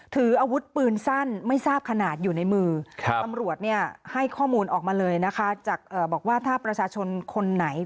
ถืออาวุธปืนสั้นไม่ทราบขนาดอยู่ในมือตำรวจให้ข้อมูลออกมาเลยนะคะจากบอกว่าถ้าประชาชนคนไหน